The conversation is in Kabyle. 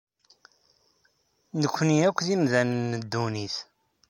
Nekni akk d imdanen n ddunit.